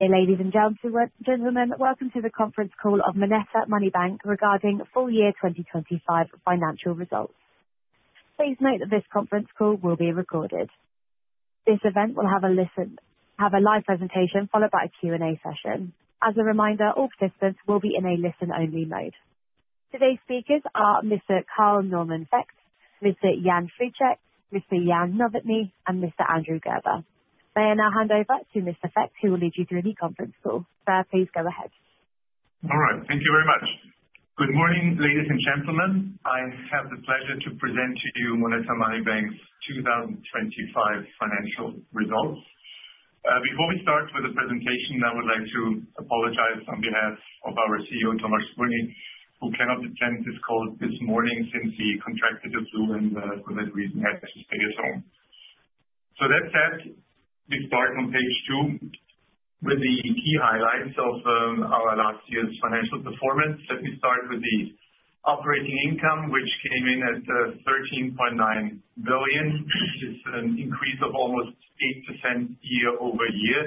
Ladies and gentlemen, welcome to the conference call of MONETA Money Bank regarding full year 2025 financial results. Please note that this conference call will be recorded. This event will have a live presentation, followed by a Q&A session. As a reminder, all participants will be in a listen-only mode. Today's speakers are Mr. Carl Normann Vökt, Mr. Jan Friček, Mr. Jan Novotný, and Mr. Andrew Gerber. May I now hand over to Mr. Vökt, who will lead you through the conference call. Sir, please go ahead. All right. Thank you very much. Good morning, ladies and gentlemen. I have the pleasure to present to you MONETA Money Bank's 2025 financial results. Before we start with the presentation, I would like to apologize on behalf of our CEO, Tomáš Spurný, who cannot attend this call this morning since he contracted the flu and, for that reason, had to stay at home. So that said, we start on page 2 with the key highlights of our last year's financial performance. Let me start with the operating income, which came in at 13.9 billion. It's an increase of almost 8% year-over-year,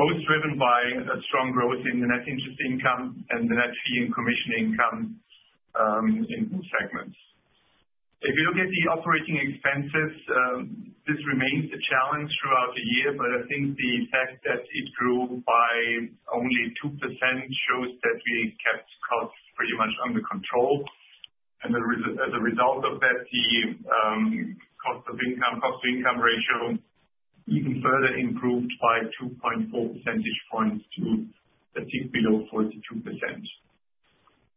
both driven by a strong growth in the net interest income and the net fee and commission income in both segments. If you look at the operating expenses, this remains a challenge throughout the year, but I think the fact that it grew by only 2% shows that we kept costs pretty much under control. As a result of that, the cost-to-income ratio even further improved by 2.4 percentage points to a tick below 42%.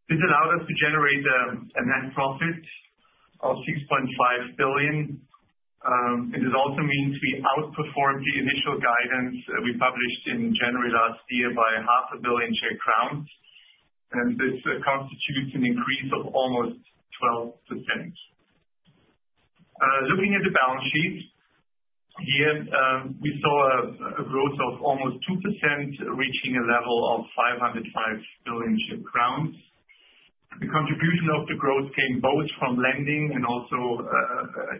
This allowed us to generate a net profit of 6.5 billion. It also means we outperformed the initial guidance that we published in January last year by half a billion Czech crowns, and this constitutes an increase of almost 12%. Looking at the balance sheet, here, we saw a growth of almost 2%, reaching a level of 505 billion Czech crowns. The contribution of the growth came both from lending and also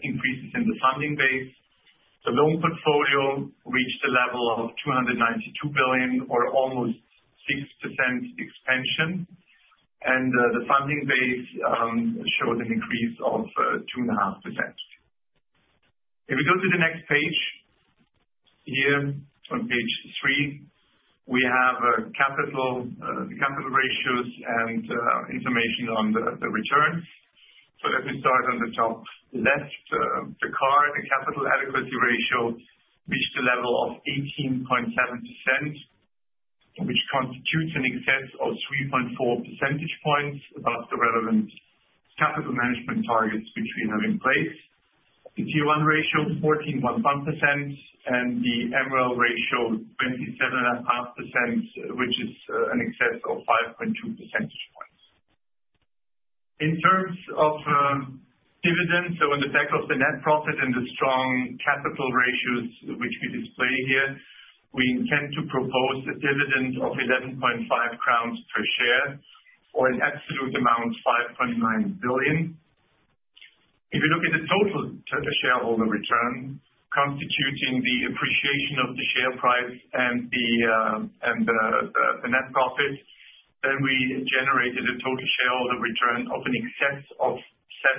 increases in the funding base. The loan portfolio reached a level of 292 billion, or almost 6% expansion, and the funding base showed an increase of 2.5%. If you go to the next page, here on page 3, we have the capital ratios and information on the returns. So let me start on the top left. The CAR, the capital adequacy ratio, reached a level of 18.7%, which constitutes an excess of 3.4 percentage points above the relevant capital management targets which we have in place. The Tier I ratio, 14.1%, and the MREL ratio, 27.5%, which is an excess of 5.2 percentage points. In terms of dividends, so on the back of the net profit and the strong capital ratios which we display here, we intend to propose a dividend of 11.5 crowns per share, or an absolute amount, 5.9 billion. If you look at the total shareholder return, constituting the appreciation of the share price and the net profit, then we generated a total shareholder return of an excess of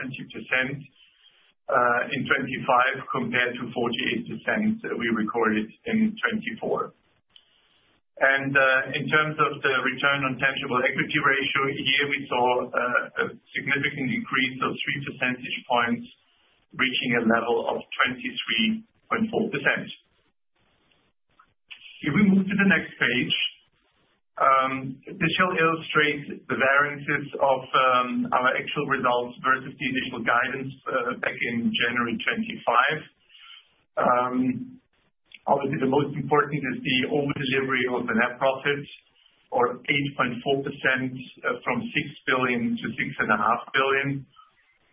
70%, in 2025, compared to 48% that we recorded in 2024. In terms of the return on tangible equity ratio, here we saw a significant increase of three percentage points, reaching a level of 23.4%. If we move to the next page, this shall illustrate the variances of our actual results versus the initial guidance back in January 2025. Obviously, the most important is the over-delivery of the net profit, or 8.4%, from 6 billion- 6.5 billion.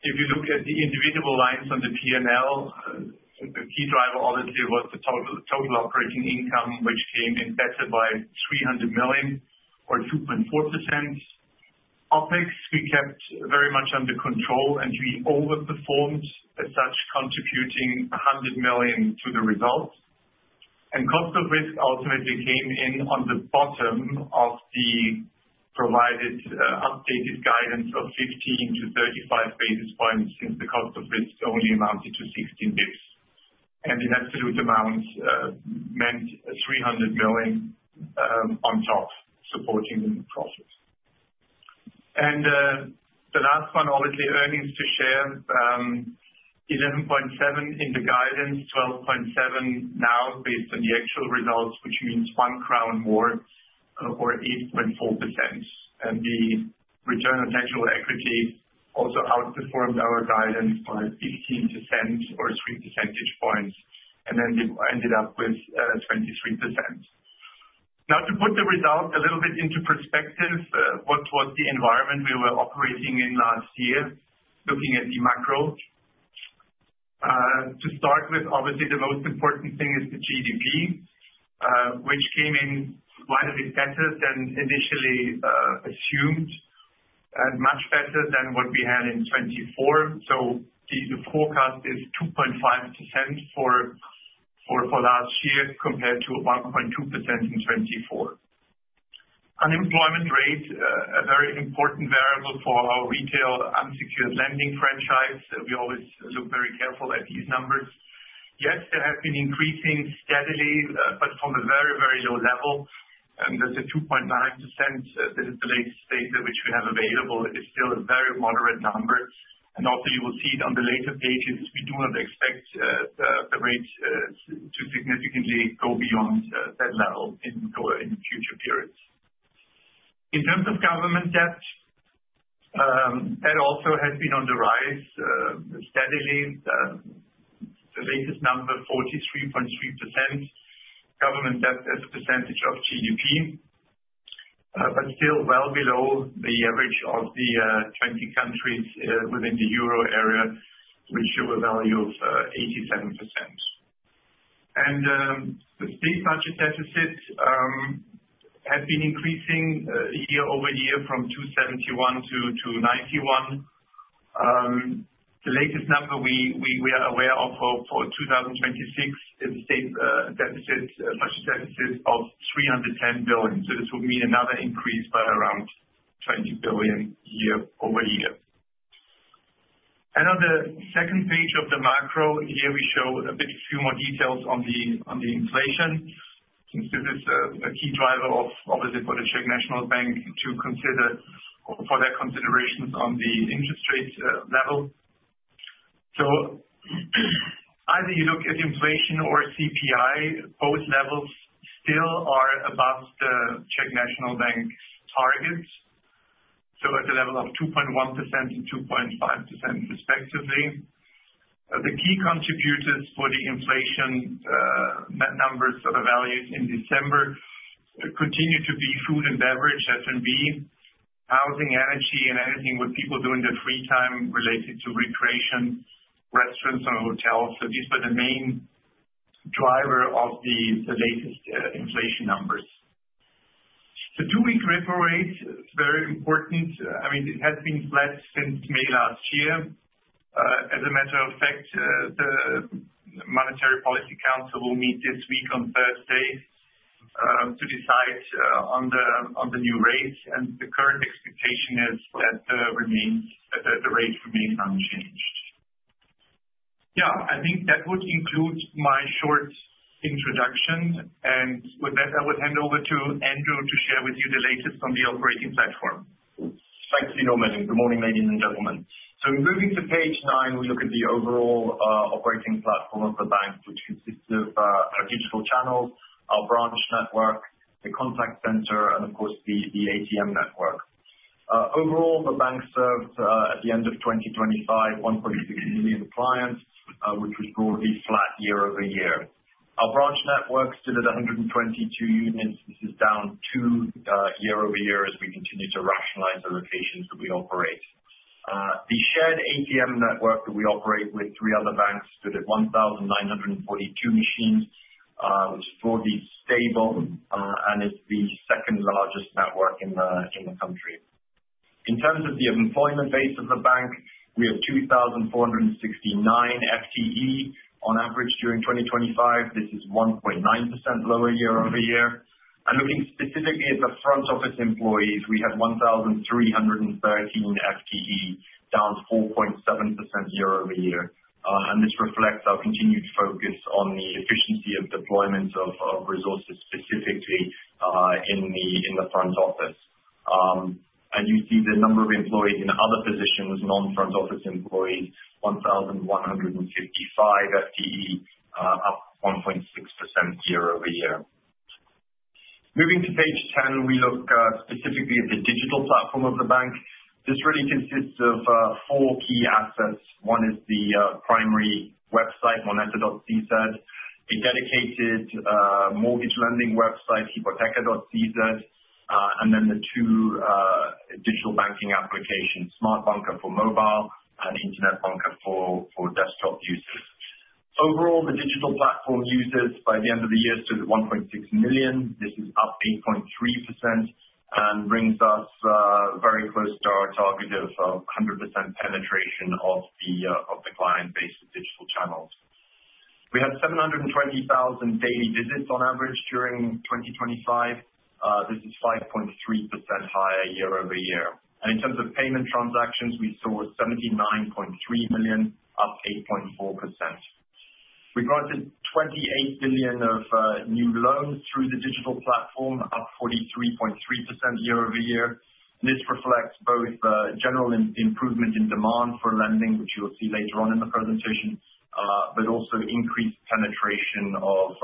If you look at the individual lines on the PNL, the key driver obviously was the total operating income, which came in better by 300 million or 2.4%. OpEx, we kept very much under control and we overperformed, as such, contributing 100 million to the results. Cost of risk ultimately came in on the bottom of the provided updated guidance of 15-35 basis points, since the cost of risk only amounted to 16 bps. In absolute amounts, meant 300 million on top, supporting the process. The last one, obviously, earnings per share. 11.7 in the guidance, 12.7 now based on the actual results, which means 1 crown more or 8.4%. The return on tangible equity also outperformed our guidance by 18% or three percentage points, and then we ended up with 23%. Now, to put the results a little bit into perspective, what was the environment we were operating in last year, looking at the macro? To start with, obviously, the most important thing is the GDP, which came in slightly better than initially assumed, and much better than what we had in 2024. So the forecast is 2.5% for last year compared to 1.2% in 2024. Unemployment rate, a very important variable for our retail unsecured lending franchise. We always look very careful at these numbers. Yes, they have been increasing steadily, but from a very, very low level, and there's a 2.9%, that is the latest data which we have available. It is still a very moderate number, and also you will see it on the later pages. We do not expect the rate to significantly go beyond that level in future periods. In terms of government debt, that also has been on the rise, steadily. The latest number, 43.3% government debt as a percentage of GDP, but still well below the average of the 20 countries within the Euro Area, which show a value of 87%. The state budget deficit has been increasing year-over-year from 271 billion- 291 billion. The latest number we are aware of for 2026, the state deficit, budget deficit of 310 billion. So this would mean another increase by around 20 billion year-over-year. On the second page of the macro, here we show a bit few more details on the inflation, since it is a key driver of, obviously, for the Czech National Bank to consider for their considerations on the interest rates level. So either you look at inflation or CPI, both levels still are above the Czech National Bank's targets, so at the level of 2.1% and 2.5% respectively. The key contributors for the inflation numbers or the values in December continue to be food and beverage, F&B, housing, energy, and anything what people do in their free time related to recreation, restaurants and hotels. So these are the main driver of the latest inflation numbers. The two-week repo rate is very important. I mean, it has been flat since May last year. As a matter of fact, the Monetary Policy Council will meet this week on Thursday to decide on the new rates, and the current expectation is that remains that the rate remains unchanged. Yeah, I think that would conclude my short introduction, and with that, I would hand over to Andrew to share with you the latest on the operating platform. Thanks, Normann. Good morning, ladies and gentlemen. So moving to page 9, we look at the overall operating platform of the bank, which consists of our digital channels, our branch network, the contact center, and of course, the ATM network. Overall, the bank served at the end of 2025, 1.6 million clients, which was broadly flat year-over-year. Our branch network stood at 122 units. This is down 2 year-over-year, as we continue to rationalize the locations that we operate. The shared ATM network that we operate with three other banks stood at 1,942 machines, which is broadly stable, and it's the second-largest network in the country. In terms of the employment base of the bank, we have 2,469 FTE on average during 2025. This is 1.9% lower year-over-year. Looking specifically at the front office employees, we have 1,313 FTE, down 4.7% year-over-year. This reflects our continued focus on the efficiency of deployment of resources, specifically in the front office. You see the number of employees in other positions, non-front office employees, 1,155 FTE, up 1.6% year-over-year. Moving to page 10, we look specifically at the digital platform of the bank. This really consists of four key assets. One is the primary website, moneta.cz, a dedicated mortgage lending website, hypoteka.cz, and then the two digital banking applications, Smart Banka for mobile and Internet Banka for desktop users. Overall, the digital platform users by the end of the year stood at 1.6 million. This is up 8.3% and brings us very close to our target of 100% penetration of the client base with digital channels. We had 720,000 daily visits on average during 2025. This is 5.3% higher year-over-year. And in terms of payment transactions, we saw 79.3 million, up 8.4%. We granted 28 billion of new loans through the digital platform, up 43.3% year-over-year. This reflects both general improvement in demand for lending, which you will see later on in the presentation, but also increased penetration of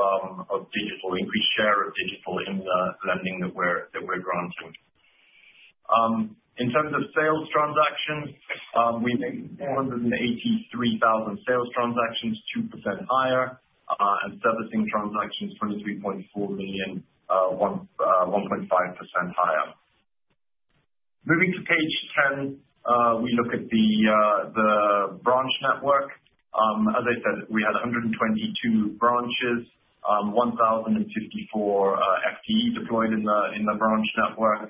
increased share of digital in lending that we're granting. In terms of sales transactions, we made 483,000 sales transactions, 2% higher, and servicing transactions, 23.4 million, 1.5% higher. Moving to page 10, we look at the branch network. As I said, we had 122 branches, 1,054 FTE deployed in the branch network.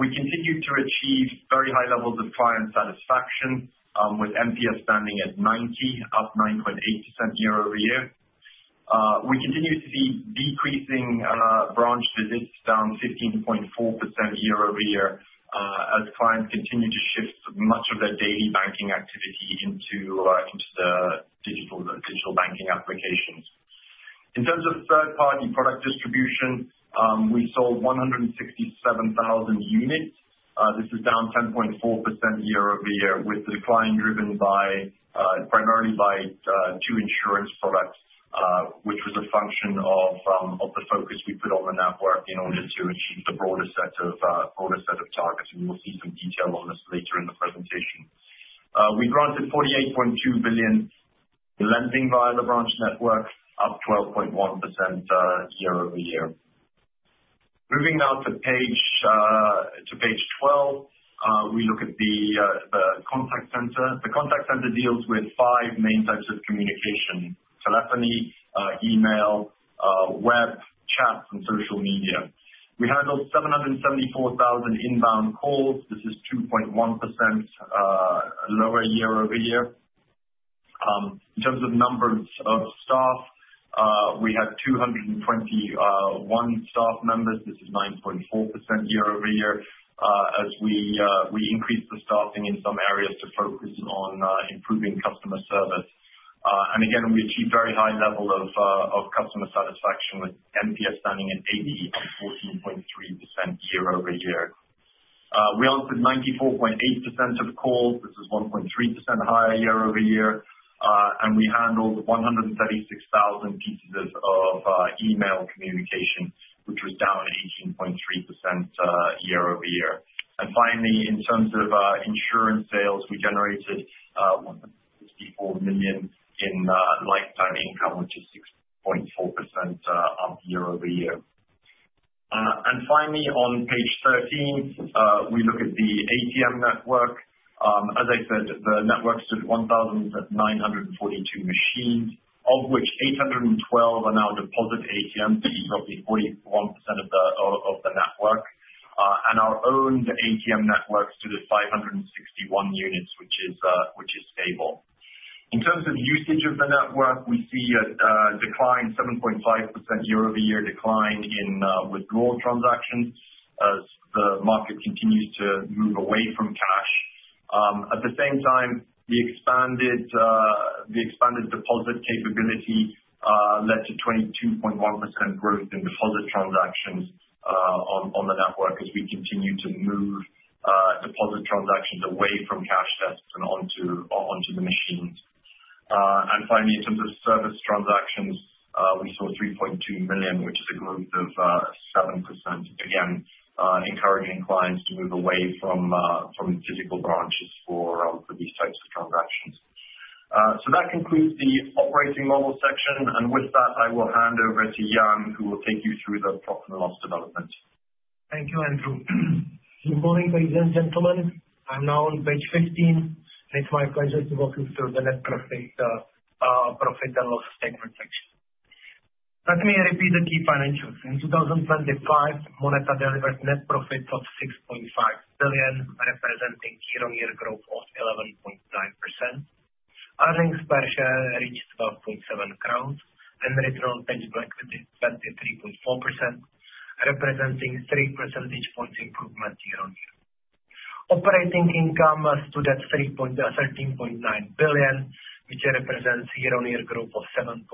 We continued to achieve very high levels of client satisfaction, with NPS standing at 90, up 9.8% year-over-year. We continue to see decreasing branch visits down 15.4% year-over-year, as clients continue to shift much of their daily banking activity into the digital banking applications. In terms of third party product distribution, we sold 167,000 units. This is down 10.4% year-over-year, with the decline driven by primarily by two insurance products, which was a function of the focus we put on the network in order to achieve the broader set of targets, and we'll see some detail on this later in the presentation. We granted 48.2 billion lending via the branch network, up 12.1% year-over-year. Moving now to page 12, we look at the contact center. The contact center deals with five main types of communication: telephony, email, web, chat, and social media. We handled 774,000 inbound calls. This is 2.1% lower year-over-year. In terms of numbers of staff, we had 221 staff members. This is 9.4% year-over-year as we increased the staffing in some areas to focus on improving customer service. And again, we achieved very high level of customer satisfaction, with NPS standing at 80, up 14.3% year-over-year. We answered 94.8% of calls. This is 1.3% higher year-over-year. And we handled 136,000 pieces of email communication, which was down 18.3% year-over-year. And finally, in terms of insurance sales, we generated 1.64 million in lifetime income, which is 6.4% up year-over-year. And finally, on page 13, we look at the ATM network. As I said, the network stood 1,942 machines, of which 812 are now deposit ATMs, roughly 41% of the network. And our own ATM networks to the 561 units, which is stable. In terms of usage of the network, we see a decline, 7.5% year-over-year decline in withdrawal transactions as the market continues to move away from cash. At the same time, the expanded deposit capability led to 22.1% growth in deposit transactions on the network, as we continue to move deposit transactions away from cash desks and onto the machines. And finally, in terms of service transactions, we saw 3.2 million, which is a growth of 7%. Again, encouraging clients to move away from the physical branches for these types of transactions. So that concludes the operating model section, and with that, I will hand over to Jan, who will take you through the profit and loss development. Thank you, Andrew. Good morning, ladies and gentlemen. I'm now on page 15. It's my pleasure to walk you through the net profit, profit and loss statement section. Let me repeat the key financials. In 2025, MONETA delivered net profits of 6.5 billion, representing year-on-year growth of 11.9%. Earnings per share reached 12.7 crowns, and return on tangible equity, 23.4%, representing three percentage points improvement year-on-year. Operating income stood at 13.9 billion, which represents year-on-year growth of 7.8%,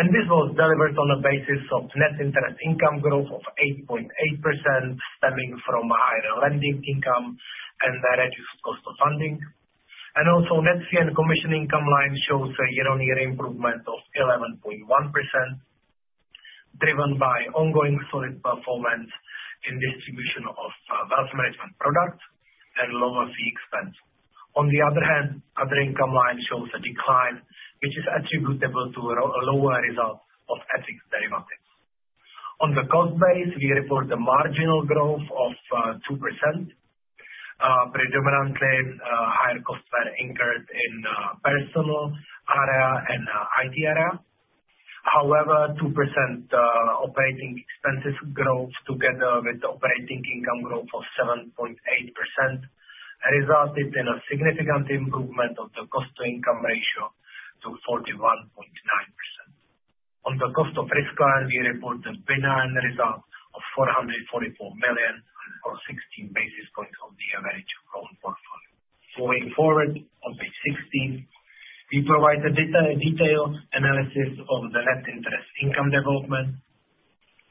and this was delivered on the basis of net interest income growth of 8.8%, stemming from higher lending income and the reduced cost of funding. Also net fee and commission income line shows a year-on-year improvement of 11.1%, driven by ongoing solid performance in distribution of wealth management products and lower fee expense. On the other hand, other income line shows a decline, which is attributable to a lower result of FX derivatives. On the cost base, we report a marginal growth of 2%. Predominantly, higher costs were incurred in personnel area and IT area. However, 2% operating expenses growth together with the operating income growth of 7.8% resulted in a significant improvement of the cost-to-income ratio to 41.9%. On the cost of risk side, we report the benign result of 444 million, or 16 basis points on the average loan portfolio. Moving forward, on page 16, we provide a detailed analysis of the net interest income development.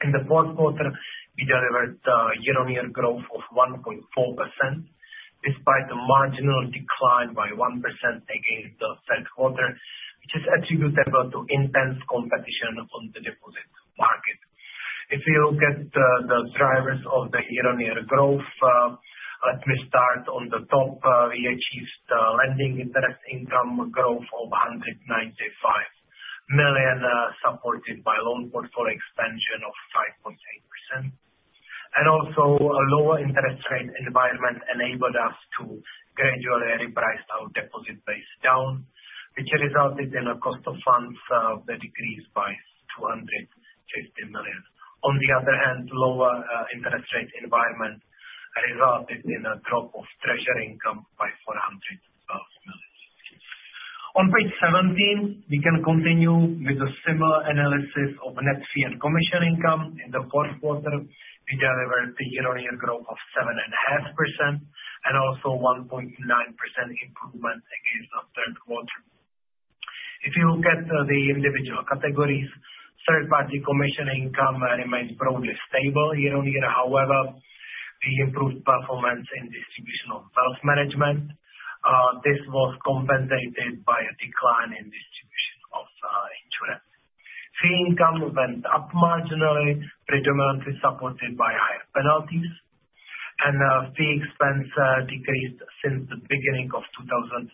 In the fourth quarter, we delivered year-on-year growth of 1.4%, despite a marginal decline by 1% against the third quarter, which is attributable to intense competition on the deposit market. If you look at the drivers of the year-on-year growth, let me start on the top. We achieved lending interest income growth of 195 million, supported by loan portfolio expansion of 5.8%. And also a lower interest rate environment enabled us to gradually reprice our deposit base down, which resulted in a cost of funds that decreased by 250 million. On the other hand, lower interest rate environment resulted in a drop of treasury income by 400 million. On page 17, we can continue with a similar analysis of net fee and commission income. In the fourth quarter, we delivered a year-on-year growth of 7.5%, and also 1.9% improvement against the third quarter. If you look at the individual categories, third party commission income remains broadly stable year-on-year. However, we improved performance in distribution of wealth management. This was compensated by a decline in distribution of insurance. Fee income went up marginally, predominantly supported by higher penalties. Fee expense decreased since the beginning of 2025,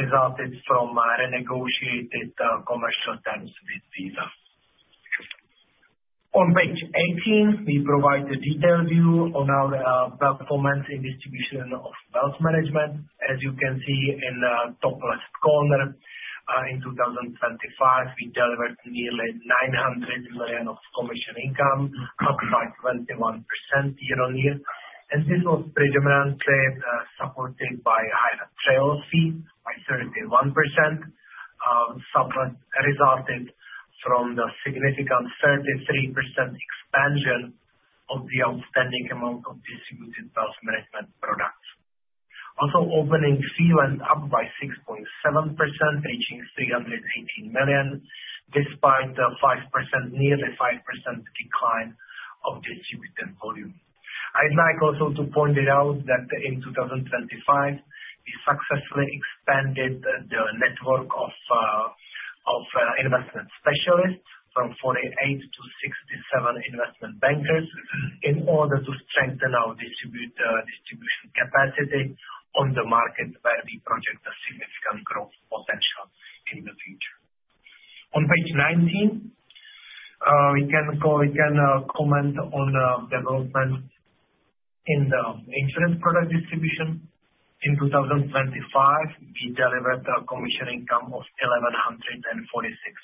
resulted from renegotiated commercial terms with Visa. On page 18, we provide a detailed view on our performance in distribution of wealth management. As you can see in the top left corner, in 2025, we delivered nearly 900 million of commission income, up by 21% year-on-year, and this was predominantly supported by higher trail fee by 31%. Somewhat resulting from the significant 33% expansion of the outstanding amount of distributed wealth management products. Also, opening fee went up by 6.7%, reaching 318 million, despite the 5%, nearly 5% decline of distributed volume. I'd like also to point it out, that in 2025, we successfully expanded the network of investment specialists from 48 to 67 investment bankers, in order to strengthen our distribution capacity on the market, where we project a significant growth potential in the future. On page 19, we can go, we can comment on the development in the insurance product distribution. In 2025, we delivered a commission income of 1,146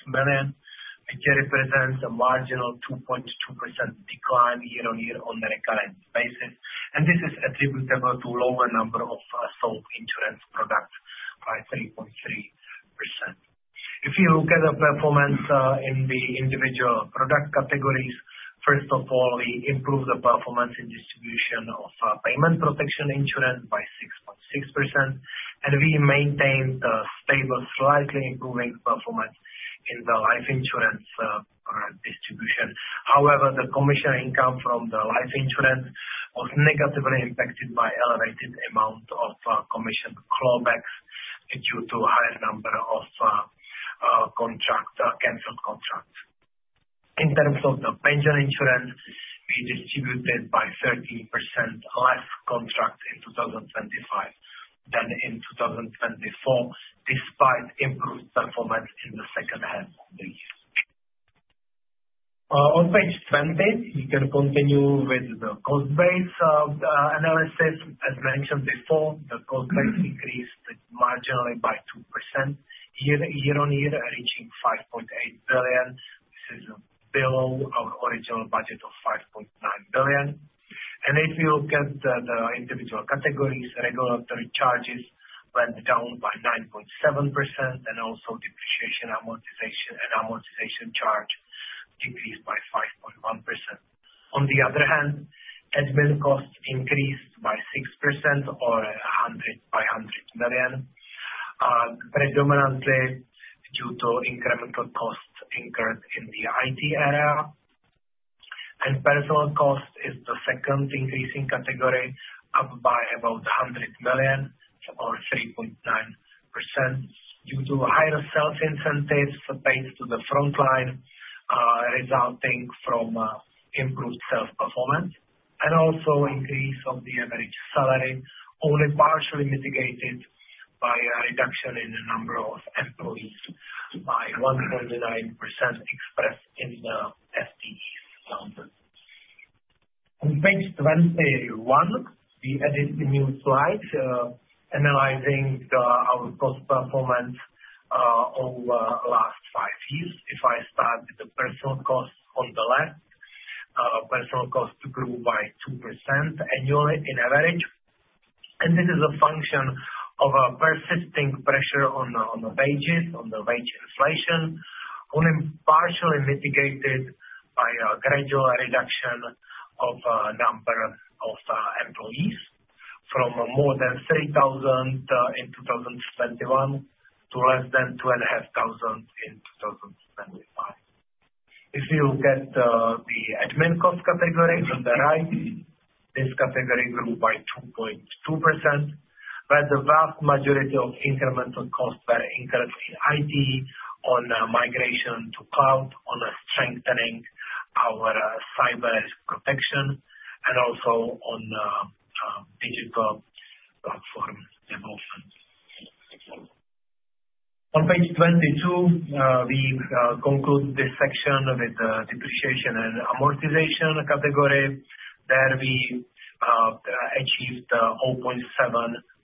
million, which represents a marginal 2.2% decline year-on-year on the recurrent basis. And this is attributable to lower number of sold insurance products by 3.3%. If you look at the performance in the individual product categories, first of all, we improved the performance in distribution of payment protection insurance by 6.6%, and we maintained a stable, slightly improving performance in the life insurance product distribution. However, the commission income from the life insurance was negatively impacted by elevated amount of commission clawbacks, due to a higher number of contract canceled contracts. In terms of the pension insurance, we distributed by 13% less contracts in 2025 than in 2024, despite improved performance in the second half of the year. On page 20, we can continue with the cost base analysis. As mentioned before, the cost base increased marginally by 2% year-on-year, reaching 5.8 billion. This is below our original budget of 5.9 billion. And if you look at the individual categories, regulatory charges went down by 9.7%, and also depreciation, amortization, and amortization charge decreased by 5.1%. On the other hand, admin costs increased by 6% or by 100 million, predominantly due to incremental costs incurred in the IT area. Personnel cost is the second increasing category, up by about 100 million or 3.9%, due to higher sales incentives paid to the front line, resulting from improved sales performance, and also increase of the average salary, only partially mitigated by a reduction in the number of employees by 109 expressed in the FTEs number. On page 21, we added a new slide analyzing our cost performance over last 5 years. If I start with the Personnel costs on the left, Personnel costs grew by 2% annually in average, and this is a function of a persisting pressure on the wages, on the wage inflation. Only partially mitigated by a gradual reduction of number of employees, from more than 3,000 in 2021, to less than 2,500 in 2025. If you look at the admin cost category on the right, this category grew by 2.2%, but the vast majority of incremental costs were incurred in IT, on the migration to cloud, on strengthening our cyber risk protection, and also on digital platform development. On page 22, we conclude this section with depreciation and amortization category. There we achieved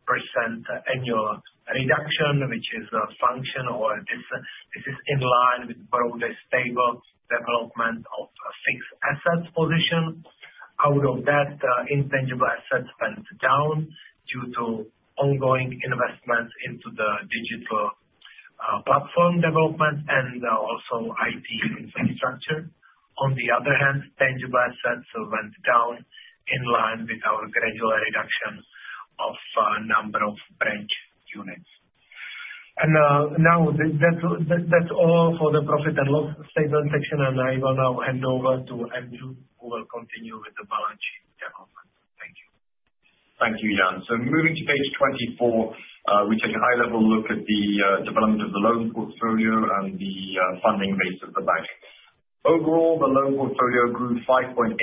0.7% annual reduction, which is a function, or this, this is in line with broadly stable development of fixed asset position. Out of that, intangible assets went down due to ongoing investments into the digital, platform development and, also IT infrastructure. On the other hand, tangible assets went down, in line with our gradual reduction of a number of branch units. And, now, that's all for the profit and loss statement section, and I will now hand over to Andrew, who will continue with the balance sheet development. Thank you. Thank you, Jan. So moving to page 24, we take a high level look at the development of the loan portfolio and the funding base of the bank. Overall, the loan portfolio grew 5.8%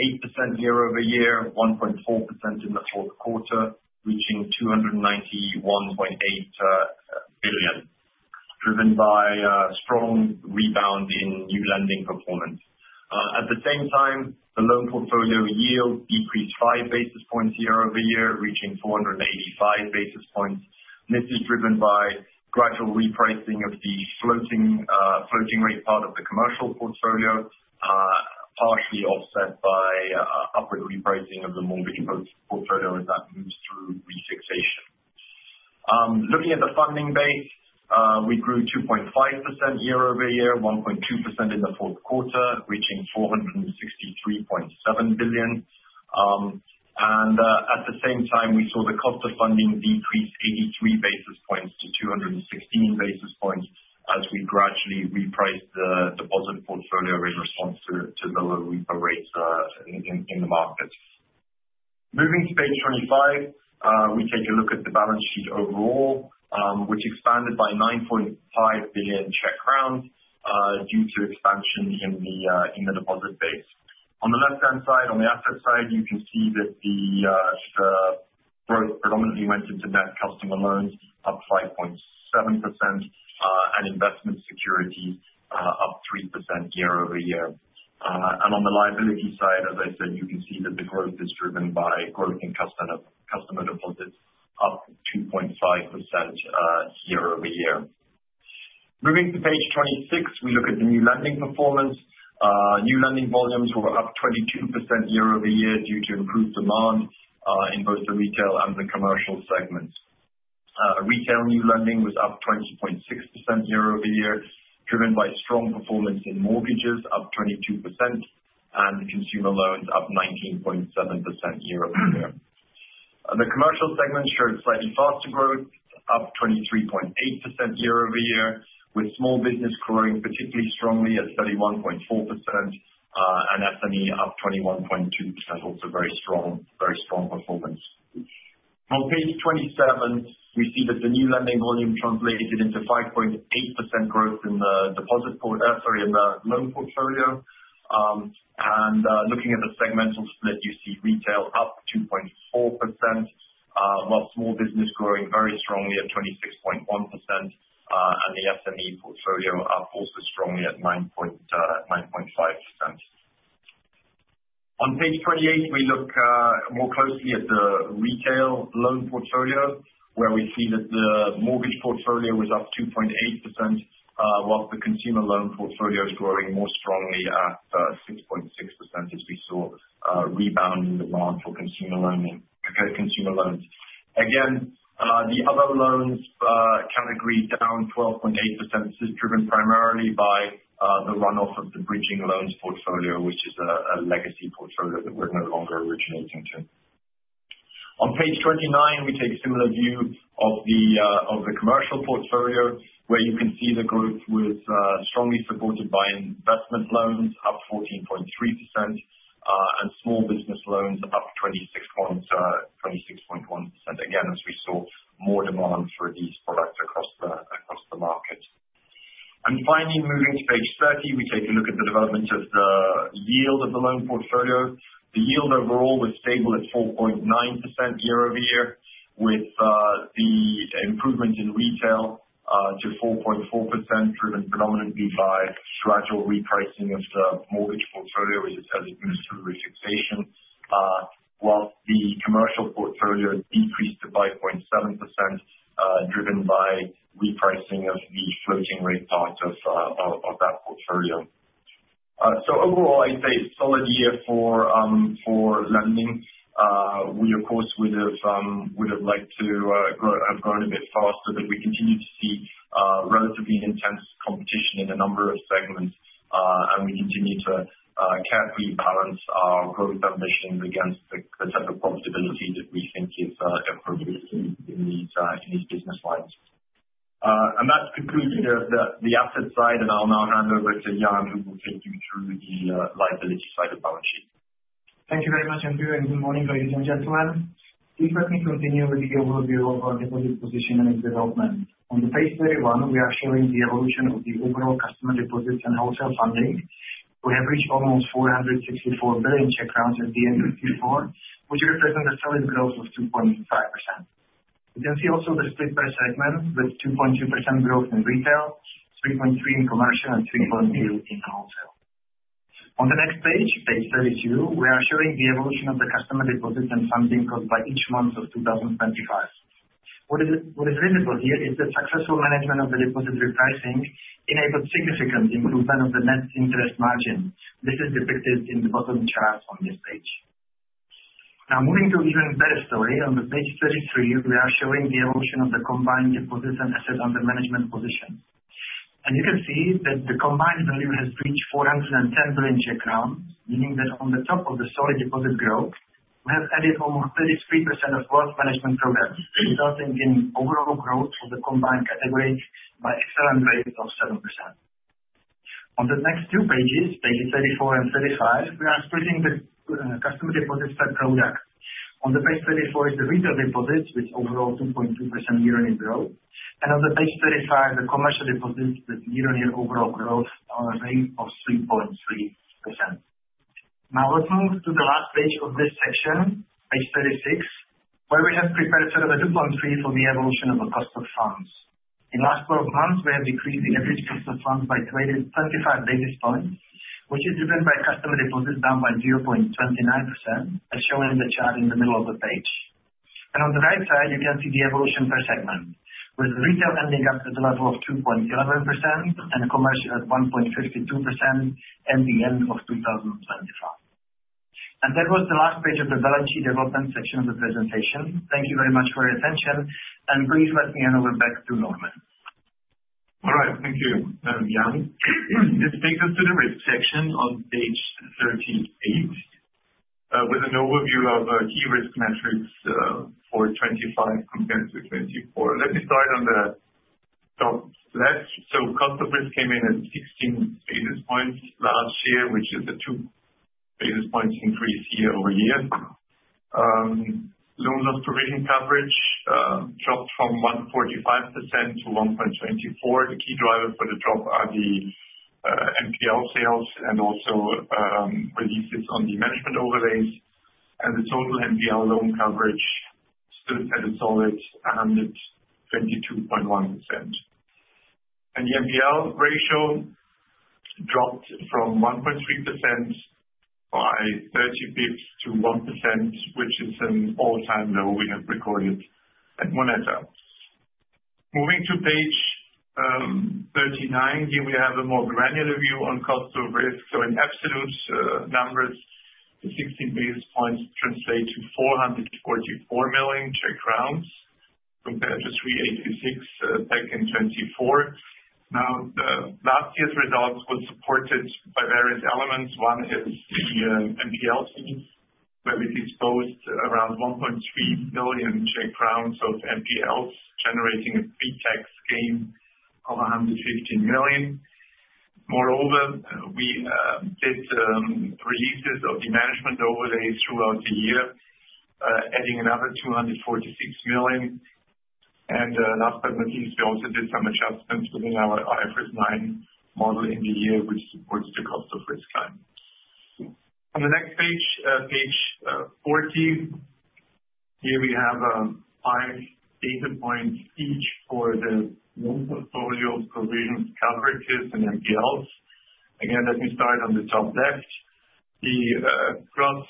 year-over-year, 1.4% in the fourth quarter, reaching 291.8 billion, driven by a strong rebound in new lending performance. At the same time, the loan portfolio yield decreased 5 basis points year-over-year, reaching 485 basis points. This is driven by gradual repricing of the floating rate part of the commercial portfolio, partially offset by upward repricing of the mortgage portfolio as that moves through refixation. Looking at the funding base, we grew 2.5% year-over-year, 1.2% in the fourth quarter, reaching 463.7 billion. And at the same time, we saw the cost of funding decrease 83 basis points to 216 basis points, as we gradually repriced the deposit portfolio in response to the lower repo rates in the market. Moving to page 25, we take a look at the balance sheet overall, which expanded by 9.5 billion Czech crowns due to expansion in the deposit base. On the left-hand side, on the assets side, you can see that the growth predominantly went into net customer loans, up 5.7%, and investment securities, up 3% year-over-year. And on the liability side, as I said, you can see that the growth is driven by growth in customer, customer deposits, up 2.5%, year-over-year. Moving to page 26, we look at the new lending performance. New lending volumes were up 22% year-over-year due to improved demand in both the retail and the commercial segments. Retail new lending was up 20.6% year-over-year, driven by strong performance in mortgages, up 22%, and consumer loans up 19.7% year-over-year. The commercial segment showed slightly faster growth, up 23.8% year-over-year, with small business growing particularly strongly at 31.4%, and SME up 21.2%. Also very strong, very strong performance. On page 27, we see that the new lending volume translated into 5.8% growth, sorry, in the loan portfolio. Looking at the segmental split, you see retail up 2.4%, while small business growing very strongly at 26.1%, and the SME portfolio also strongly at 9.5%. On page 28, we look more closely at the retail loan portfolio, where we see that the mortgage portfolio was up 2.8%, while the consumer loan portfolio is growing more strongly at 6.6%, as we saw a rebound in demand for consumer lending, okay, consumer loans. Again, the other loans category down 12.8%. This is driven primarily by the runoff of the bridging loans portfolio, which is a legacy portfolio that we're no longer originating to. On page 29, we take a similar view of the commercial portfolio, where you can see the growth was strongly supported by investment loans, up 14.3%, and small business loans up 26.1%, again, as we saw more demand for these products across the market. And finally, moving to page 30, we take a look at the development of the yield of the loan portfolio. The yield overall was stable at 4.9% year-over-year, with the improvement in retail to 4.4%, driven predominantly by gradual repricing of the mortgage portfolio as it moves through refixation, while the commercial portfolio decreased to 5.7%, driven by repricing of the floating rate part of that portfolio. So overall, I'd say a solid year for lending. We of course would have liked to have grown a bit faster, but we continue to see relatively intense competition in a number of segments. And we continue to carefully balance our growth ambition against the type of profitability that we think is appropriate in these business lines. That concludes the asset side, and I'll now hand over to Jan, who will take you through the liability side of balance sheet. Thank you very much, Andrew, and good morning, ladies and gentlemen. Please let me continue with the overview of our deposit position and its development. On page 31, we are showing the evolution of the overall customer deposits and wholesale funding.... We have reached almost 464 billion at the end of Q4, which represent a solid growth of 2.5%. You can see also the split by segment, with 2.2% growth in retail, 3.3% in commercial, and 3.2% in wholesale. On the next page, page 32, we are showing the evolution of the customer deposit and funding cost by each month of 2025. What is visible here is the successful management of the deposit repricing enabled significant improvement of the net interest margin. This is depicted in the bottom chart on this page. Now, moving to an even better story, on the page 33, we are showing the evolution of the combined deposits and assets under management position. You can see that the combined value has reached 410 billion, meaning that on the top of the solid deposit growth, we have added almost 33% of growth management programs, resulting in overall growth of the combined category by excellent rate of 7%. On the next two pages, pages 34 and 35, we are splitting the customer deposits per product. On the page 34 is the retail deposits, with overall 2.2% year-on-year growth, and on the page 35, the commercial deposits with year-on-year overall growth on a rate of 3.3%. Now, let's move to the last page of this section, page 36, where we have prepared sort of a DuPont Tree for the evolution of the cost of funds. In last 12 months, we have decreased the average cost of funds by 20-35 basis points, which is driven by customer deposits down by 0.29%, as shown in the chart in the middle of the page. On the right side, you can see the evolution per segment, with retail ending up at a level of 2.11% and commercial at 1.52% at the end of 2025. That was the last page of the balance sheet development section of the presentation. Thank you very much for your attention, and please let me hand over back to Normann. All right, thank you, Jan. This takes us to the risk section on page 38, with an overview of key risk metrics for 2025 compared to 2024. Let me start on the top left. So cost of risk came in at 16 basis points last year, which is a 2 basis points increase year over year. Loan loss provision coverage dropped from 1.45% to 1.24%. The key driver for the drop are the NPL sales and also releases on the management overlays. And the total NPL loan coverage stood at a solid 122.1%. And the NPL ratio dropped from 1.3% by 30 basis points to 1%, which is an all-time low we have recorded at Moneta. Moving to page 39, here we have a more granular view on cost of risk. So in absolute numbers, the 16 basis points translate to 444 million Czech crowns, compared to 386 back in 2024. Now, the last year's results was supported by various elements. One is the NPL team, where we disposed around 1.3 billion Czech crowns of NPLs, generating a pre-tax gain of 115 million. Moreover, we did releases of the management overlay throughout the year, adding another 246 million. And last but not least, we also did some adjustments within our IFRS 9 model in the year, which supports the cost of risk time. On the next page, page 40, here we have five data points each for the loan portfolio, provisions, coverages, and NPLs. Again, let me start on the top left. The gross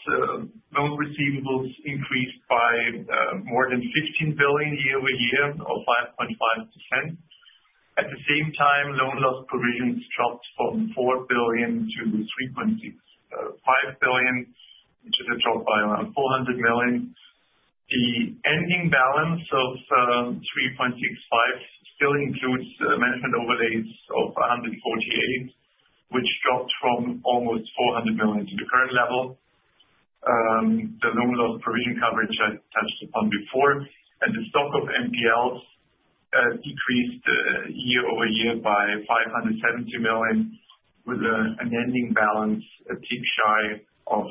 loan receivables increased by more than 15 billion year-over-year, or 5.5%. At the same time, loan loss provisions dropped from 4 billion to 3.65 billion, which is a drop by around 400 million. The ending balance of 3.65 billion still includes management overlays of 148 million, which dropped from almost 400 million to the current level. The loan loss provision coverage I touched upon before, and the stock of NPLs decreased year-over-year by 570 million, with an ending balance a tick shy of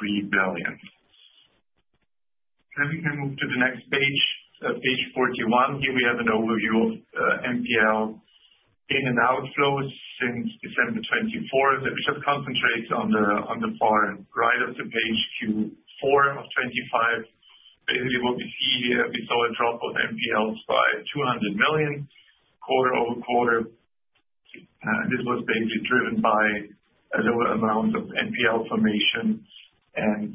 3 billion. Then we can move to the next page, page 41. Here we have an overview of NPL in and outflows since December 2024, that we just concentrate on the, on the far right of the page Q4 of 2025. Basically, what we see here, we saw a drop of NPLs by 200 million quarter-over-quarter. This was basically driven by a lower amount of NPL formation and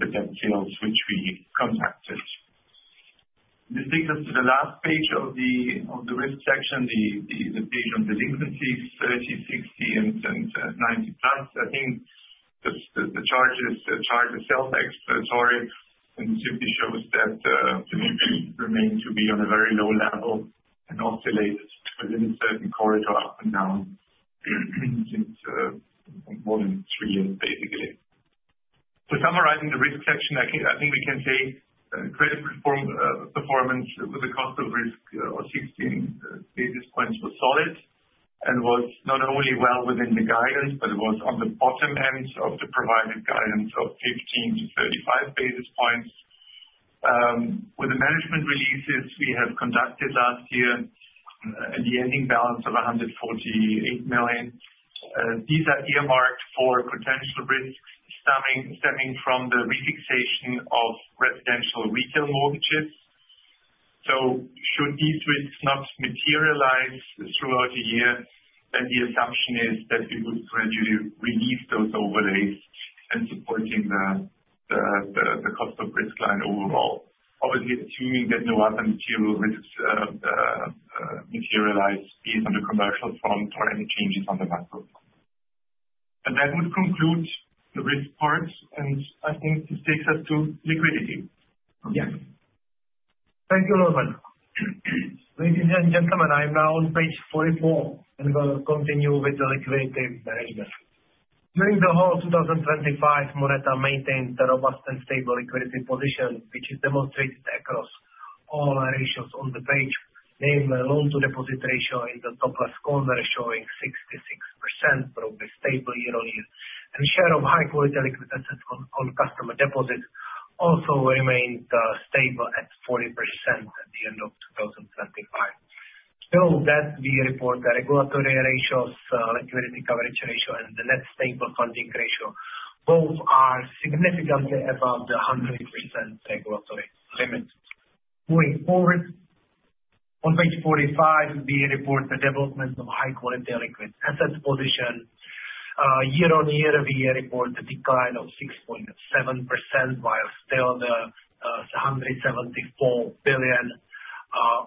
the debt sales, which we contracted. This takes us to the last page of the risk section, the page on delinquencies, 30, 60 and 90 plus. I think the charts themselves are explanatory, and simply shows that the delinquencies remain to be on a very low level and oscillate within a certain corridor up and down, since more than three years, basically. To summarize the risk section, I think, I think we can say, credit performance with the cost of risk of 16 basis points was solid, and was not only well within the guidance, but it was on the bottom end of the provided guidance of 15-35 basis points. With the management overlays we have conducted last year, the ending balance of 148 million, these are earmarked for potential risks stemming from the refixation of residential retail mortgages. So should these risks not materialize throughout the year, then the assumption is that we would gradually relieve those overlays and supporting the cost of risk line overall. Obviously assuming that no other material risks materialize, either on the commercial front or any changes on the macro. That would conclude the risk part, and I think this takes us to liquidity. Yeah. Thank you, Normann. Ladies and gentlemen, I'm now on page 44, and we'll continue with the liquidity management. During the whole of 2025, Moneta maintained a robust and stable liquidity position, which is demonstrated across all our ratios on the page, namely loan-to-deposit ratio in the top left corner, showing 66%, broadly stable year-on-year. And share of high quality liquid assets on, on customer deposits also remained stable at 40% at the end of 2025. Still that we report the regulatory ratios, liquidity coverage ratio, and the net stable funding ratio, both are significantly above the 100% regulatory limit. Moving forward, on page 45, we report the development of high quality liquid assets position. Year-on-year, we report the decline of 6.7%, while still the 174 billion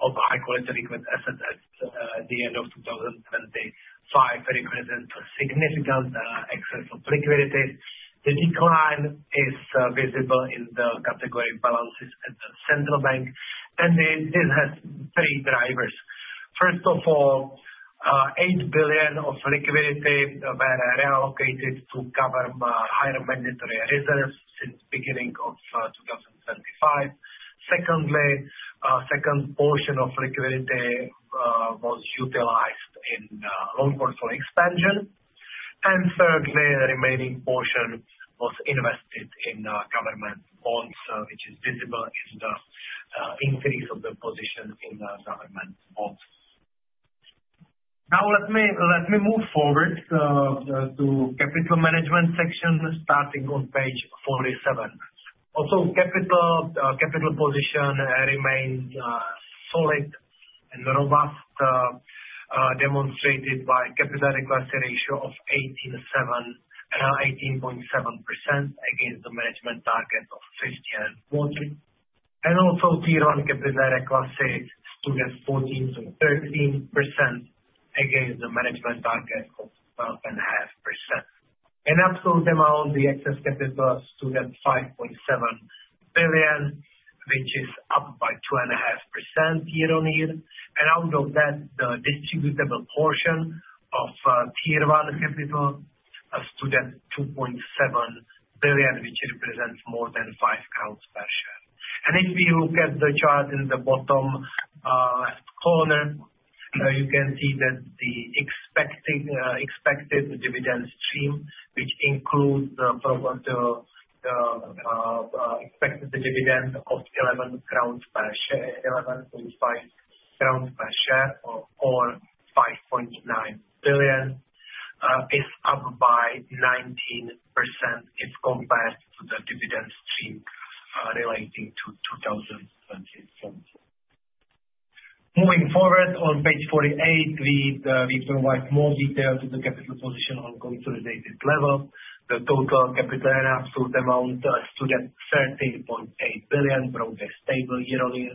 of high-quality liquid assets at the end of 2025 represent a significant excess of liquidity. The decline is visible in the category balances at the central bank, and this has three drivers. First of all, 8 billion of liquidity were reallocated to cover higher mandatory reserves since beginning of 2025. Secondly, second portion of liquidity was utilized in loan portfolio expansion. And thirdly, the remaining portion was invested in government bonds, which is visible in the increase of the position in the government bonds. Now let me move forward to capital management section, starting on page 47. Also, capital position remained solid and robust, demonstrated by Capital Adequacy Ratio of 18.7% against the management target of 15.40%. Also, Tier 1 capital adequacy stood at 14.13% against the management target of 12.5%. In absolute amount, the excess capital stood at 5.7 billion, which is up by 2.5% year-on-year. Out of that, the distributable portion of Tier 1 capital stood at 2.7 billion, which represents more than 5 CZK per share. If you look at the chart in the bottom corner, you can see that the expected dividend stream, which includes the expected dividend of 11 crowns per share, 11.5 crowns per share or 5.9 billion, is up by 19% if compared to the dividend stream relating to 2025. Moving forward, on page 48, we provide more detail to the capital position on consolidated level. The total capital in absolute amount stood at 13.8 billion, broadly stable year-on-year.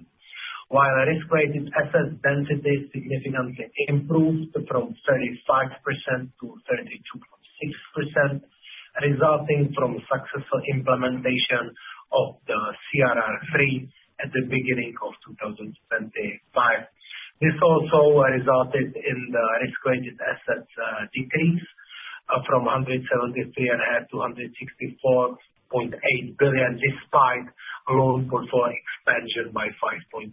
While risk-weighted asset density significantly improved from 35% to 32.6%, resulting from successful implementation of the CRR3 at the beginning of 2025. This also resulted in the risk-weighted assets decrease from 173.5 billion-164.8 billion, despite loan portfolio expansion by 5.8%.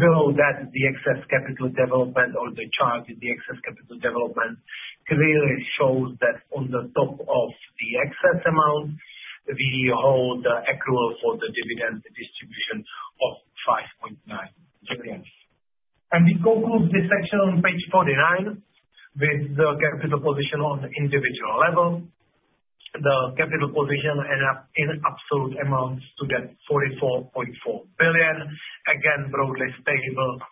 Below that, the excess capital development or the chart with the excess capital development clearly shows that on the top of the excess amount, we hold accrual for the dividend distribution of 5.9 billion. We conclude this section on page 49, with the capital position on the individual level. The capital position end up in absolute amounts to get 44.4 billion, again, broadly stable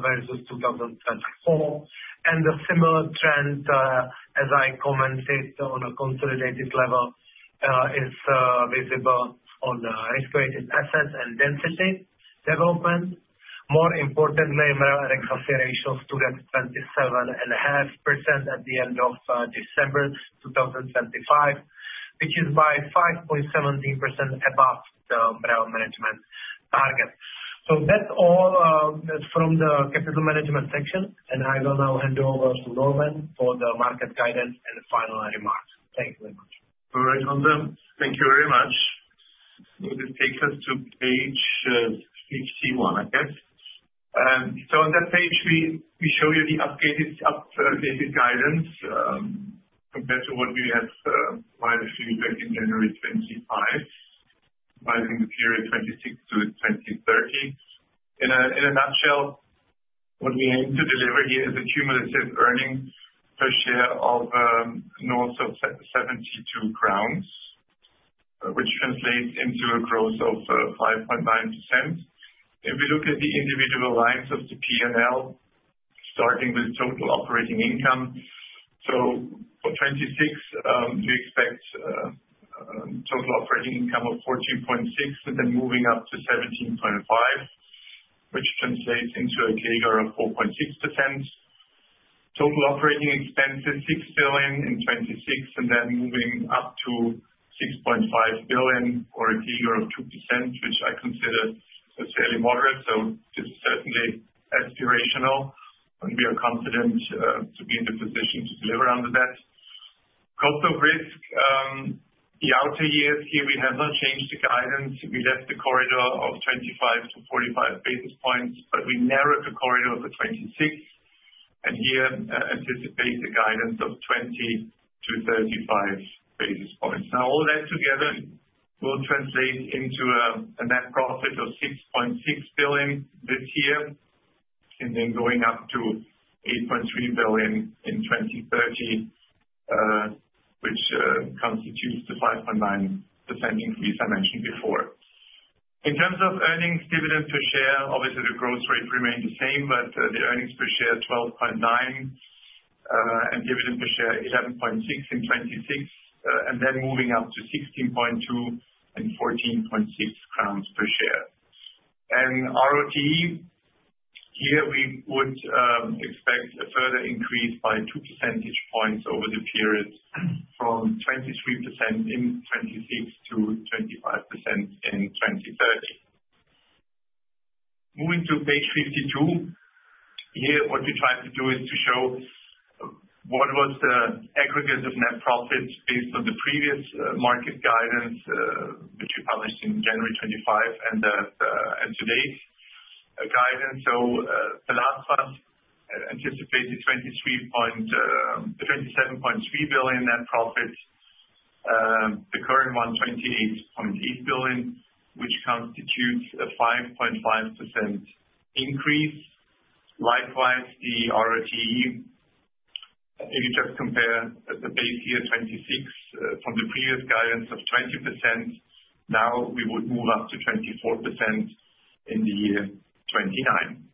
versus 2024. The similar trend as I commented on a consolidated level is visible on the risk-weighted assets and density development. More importantly, the cost-to-income ratio stood at 27.5% at the end of December 2025, which is by 5.17% above the our management target. That's all from the capital management section, and I will now hand over to Normannfor the market guidance and final remarks. Thank you very much. All right, Ondra, thank you very much. It takes us to page 61, I guess? So on that page, we show you the updated guidance compared to what we had provided you back in January 2025, covering the period 2026 to 2030. In a nutshell, what we aim to deliver here is a cumulative earnings per share of north of 72 crowns, which translates into a growth of 5.9%. If we look at the individual lines of the PNL, starting with total operating income, so for 2026, we expect total operating income of 14.6, and then moving up to 17.5, which translates into a CAGR of 4.6%. Total operating expenses, 6 billion in 2026, and then moving up to 6.5 billion, or a CAGR of 2%, which I consider as fairly moderate, so this is certainly aspirational, and we are confident to be in the position to deliver under that. Cost of risk, the outer years here, we have not changed the guidance. We left the corridor of 25-45 basis points, but we narrowed the corridor for 2026, and here, anticipate the guidance of 20-35 basis points. Now, all that together will translate into a net profit of 6.6 billion this year, and then going up to 8.3 billion in 2030, which constitutes the 5.9% increase I mentioned before. In terms of earnings dividend per share, obviously the growth rate remained the same, but the earnings per share, 12.9, and dividend per share, 11.6 in 2026, and then moving up to 16.2 and 14.6 crowns per share. ROE, here we would expect a further increase by two percentage points over the period from 23% in 2026 to 25% in 2030. Moving to page 52. Here, what we're trying to do is to show what was the aggregate of net profits based on the previous market guidance, which we published in January 2025, and today's guidance. So, the last one anticipated 27.3 billion net profits. The current one, 28.8 billion, which constitutes a 5.5% increase. Likewise, the ROE, if you just compare the base year, 2026, from the previous guidance of 20%, now we would move up to 24% in the year 2029.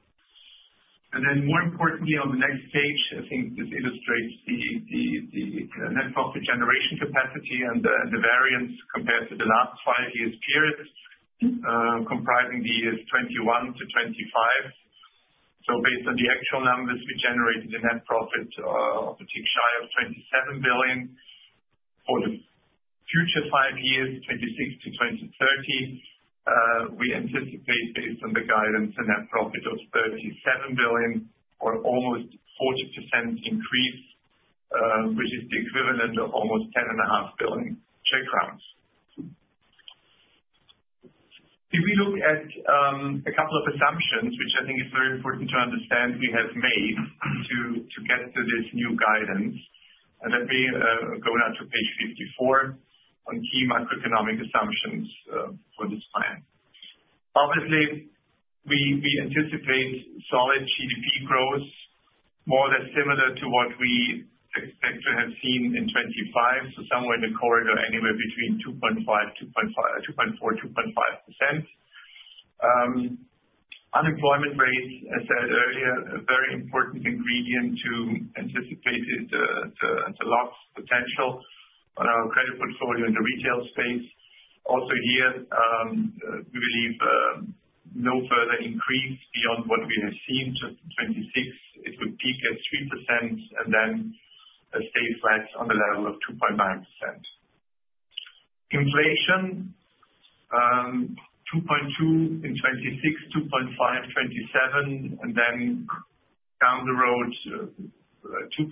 And then more importantly, on the next page, I think this illustrates the net profit generation capacity and the variance compared to the last five years period, comprising the years 2021 to 2025. So based on the actual numbers, we generated a net profit of a tick shy of 27 billion. For the future five years, 2026 to 2030, we anticipate, based on the guidance, a net profit of 37 billion, or almost 40% increase, which is the equivalent of almost 10.5 billion Czech crowns. If we look at a couple of assumptions, which I think is very important to understand, we have made to get to this new guidance. Let me go now to page 54 on key macroeconomic assumptions for this plan. Obviously, we anticipate solid GDP growth, more or less similar to what we expect to have seen in 2025, so somewhere in the corridor, anywhere between 2.4%-2.5%. Unemployment rate, I said earlier, a very important ingredient to anticipate the loss potential on our credit portfolio in the retail space. Also here, we believe no further increase beyond what we have seen to 2026. It would peak at 3% and then stay flat on the level of 2.9%. Inflation, 2.2 in 2026, 2.5, 2027, and then down the road, 2%.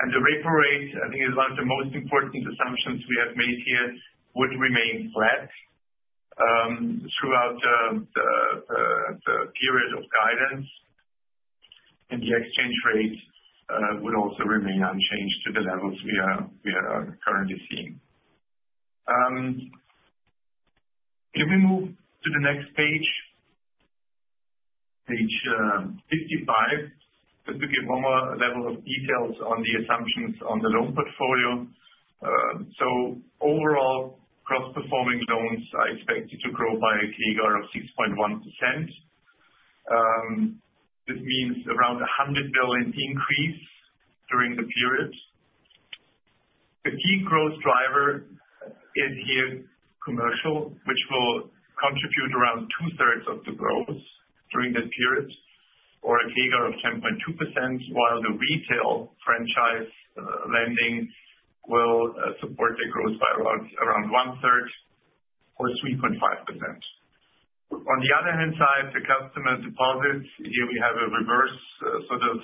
And the repo rate, I think is one of the most important assumptions we have made here, would remain flat, throughout the period of guidance, and the exchange rate, would also remain unchanged to the levels we are currently seeing. Can we move to the next page, page 55, just to give one more level of details on the assumptions on the loan portfolio. So overall, non-performing loans are expected to grow by a CAGR of 6.1%. This means around 100 billion increase during the period. The key growth driver is here, commercial, which will contribute around two-thirds of the growth during that period, or a CAGR of 10.2%, while the retail franchise, lending will support the growth by around one third or 3.5%. On the other hand side, the customer deposits, here we have a reverse, sort of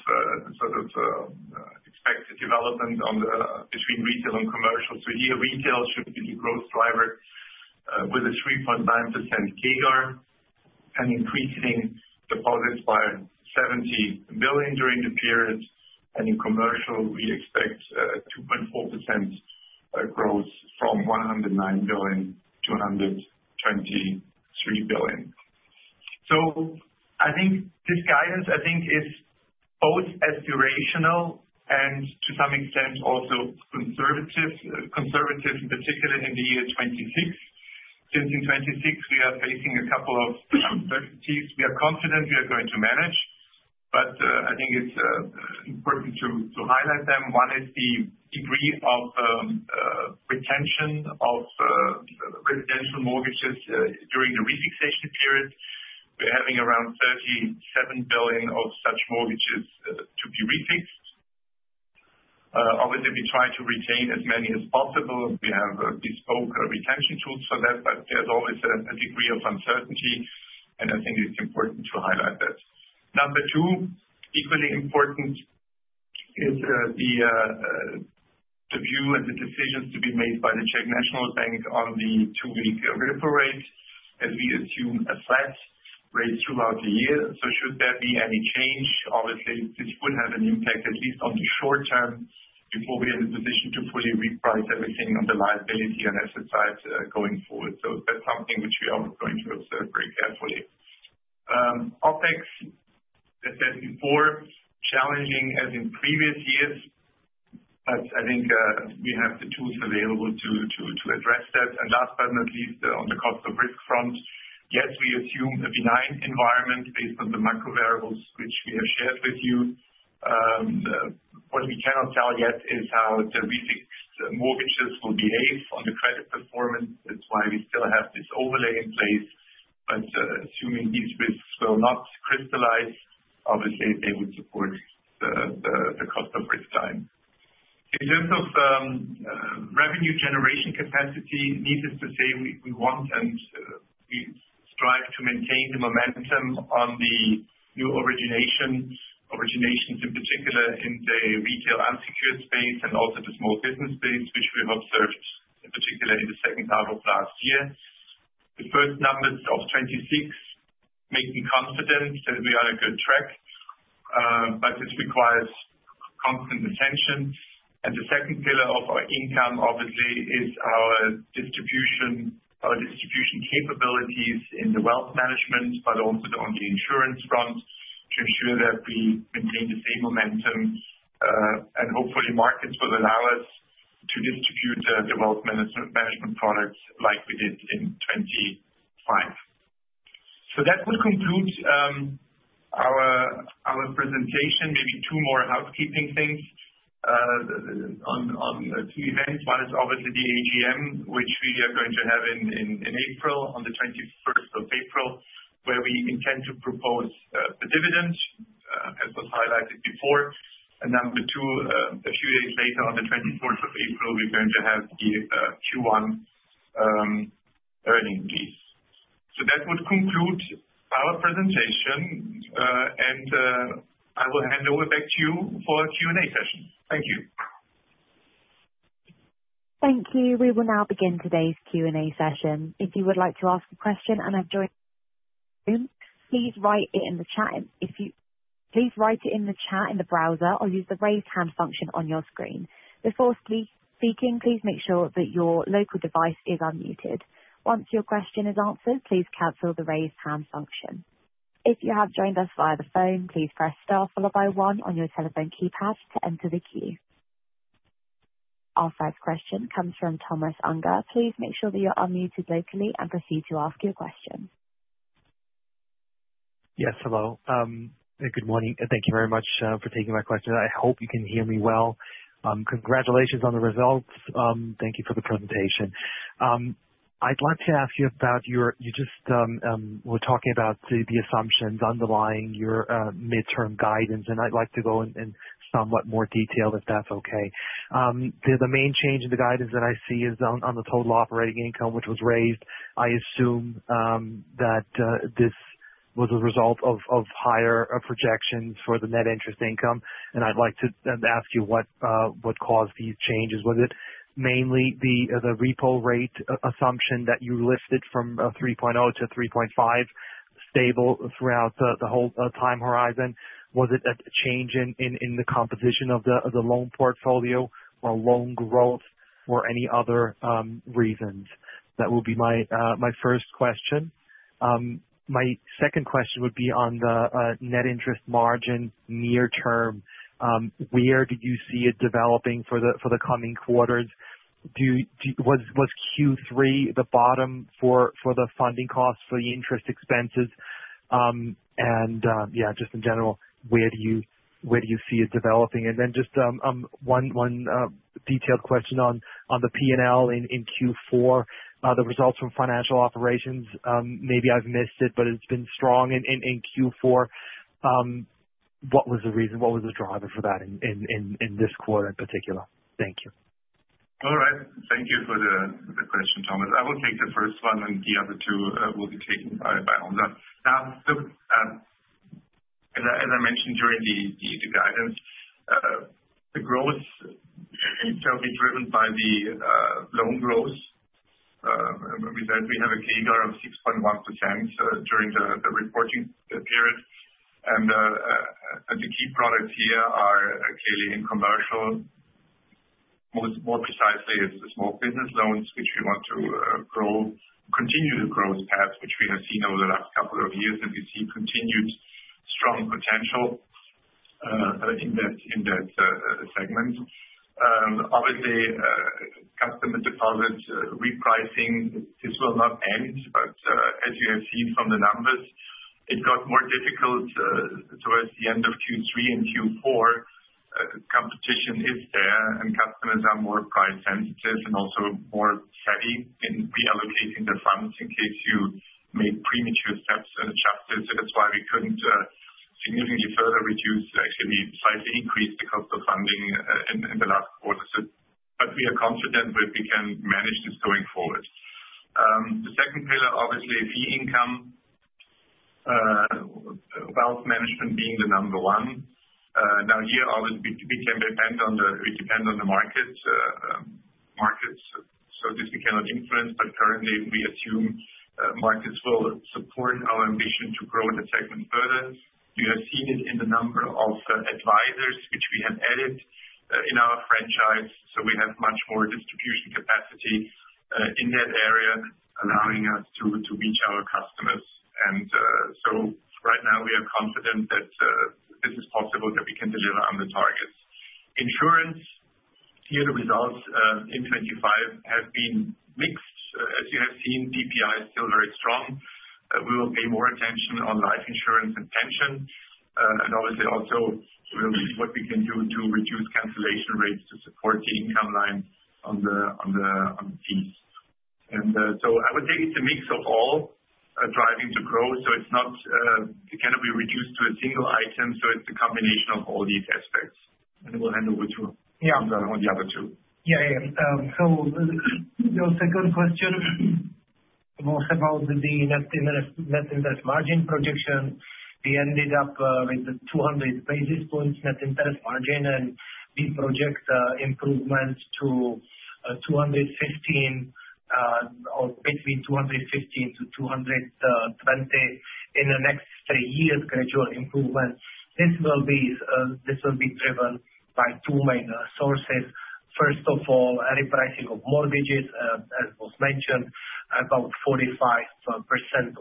development on the between retail and commercial. So here, retail should be the growth driver, with a 3.9% CAGR and increasing deposits by 70 billion during the period. And in commercial, we expect 2.4% growth from 109 billion to 123 billion. So I think this guidance, I think, is both aspirational and to some extent, also conservative, conservative, particularly in the year 2026. Since in 2026 we are facing a couple of uncertainties we are confident we are going to manage, but, I think it's important to highlight them. One is the degree of retention of residential mortgages during the refixation period. We're having around 37 billion of such mortgages to be refixed. Obviously, we try to retain as many as possible. We have bespoke retention tools for that, but there's always a degree of uncertainty, and I think it's important to highlight that. Number two, equally important is the view and the decisions to be made by the Czech National Bank on the two-week repo rate, as we assume a flat rate throughout the year. So should there be any change, obviously, this would have an impact, at least on the short term, before we are in a position to fully reprice everything on the liability and exercise going forward. So that's something which we are going to observe very carefully. OpEx, I said before, challenging as in previous years, but I think we have the tools available to address that. And last but not least, on the cost of risk front, yes, we assume a benign environment based on the macro variables which we have shared with you. What we cannot tell yet is how the refixed mortgages will behave on the credit performance. That's why we still have this overlay in place, but assuming these risks will not crystallize, obviously they would support the cost of risk time. In terms of revenue generation capacity, needless to say, we want and we strive to maintain the momentum on the new origination, originations, in particular in the retail unsecured space and also the small business space, which we have observed, particularly in the second half of last year. The first numbers of 2026 make me confident that we are on a good track, but this requires constant attention. The second pillar of our income, obviously, is our distribution, our distribution capabilities in the wealth management, but also on the insurance front, to ensure that we maintain the same momentum, and hopefully markets will allow us to distribute development and management products like we did in 2025. So that would conclude our presentation. Maybe two more housekeeping things on two events. One is obviously the AGM, which we are going to have in April, on the 21st of April, where we intend to propose the dividends as was highlighted before. And number two, a few days later, on the 24th of April, we're going to have the Q1 earnings brief. So that would conclude our presentation, and I will hand over back to you for our Q&A session. Thank you. Thank you. We will now begin today's Q&A session. If you would like to ask a question and have joined, please write it in the chat. Please write it in the chat in the browser or use the Raise Hand function on your screen. Before speaking, please make sure that your local device is unmuted. Once your question is answered, please cancel the Raise Hand function. If you have joined us via the phone, please press Star followed by One on your telephone keypad to enter the queue. Our first question comes from Thomas Unger. Please make sure that you're unmuted locally and proceed to ask your question. Yes, hello. Good morning, and thank you very much for taking my question. I hope you can hear me well. Congratulations on the results. Thank you for the presentation. I'd like to ask you about your... You just were talking about the assumptions underlying your midterm guidance, and I'd like to go in somewhat more detail, if that's okay. The main change in the guidance that I see is on the total operating income, which was raised. I assume that this was a result of higher projections for the net interest income, and I'd like to ask you what caused these changes. Was it mainly the repo rate assumption that you listed from 3.0 to 3.5, stable throughout the whole time horizon? Was it a change in the composition of the loan portfolio or loan growth or any other reasons? That would be my first question. My second question would be on the net interest margin near term. Where do you see it developing for the coming quarters? Was Q3 the bottom for the funding costs, for the interest expenses? And yeah, just in general, where do you see it developing? And then just one detailed question on the P&L in Q4. The results from financial operations, maybe I've missed it, but it's been strong in Q4. What was the reason? What was the driver for that in this quarter in particular? Thank you.... All right, thank you for the question, Thomas. I will take the first one, and the other two will be taken by Ondra. Now, as I mentioned during the guidance, the growth shall be driven by the loan growth. With that we have a CAGR of 6.1%, during the reporting period. And the key products here are clearly in commercial. More precisely, it's the small business loans which we want to grow, continue to grow the path which we have seen over the last couple of years, and we see continued strong potential in that segment. Obviously, customer deposit repricing, this will not end, but, as you have seen from the numbers, it got more difficult towards the end of Q3 and Q4. Competition is there, and customers are more price sensitive and also more savvy in reallocating their funds in case you made premature steps and chapters. So that's why we couldn't significantly further reduce, actually we slightly increased the cost of funding in the last quarter. But we are confident that we can manage this going forward. The second pillar, obviously, fee income, wealth management being the number one. Now here, obviously, we can depend on the- we depend on the markets, markets, so this we cannot influence, but currently we assume markets will support our ambition to grow the segment further. You have seen it in the number of advisors, which we have added in our franchise, so we have much more distribution capacity in that area, allowing us to reach our customers. So right now we are confident that this is possible, that we can deliver on the targets. Insurance, here the results in 2025 have been mixed. As you have seen, PPI is still very strong. We will pay more attention on life insurance and pension. And obviously also, we will see what we can do to reduce cancellation rates to support the income line on fees. So I would say it's a mix of all driving the growth, so it's not, it cannot be reduced to a single item, so it's a combination of all these aspects. And we'll handle with you- Yeah. On the other two. Yeah, yeah. So your second question was about the net interest, net interest margin projection. We ended up with the 200 basis points net interest margin, and we project improvements to 215 or between 215 to 220 in the next three years, gradual improvement. This will be driven by two main sources. First of all, a repricing of mortgages as was mentioned, about 45%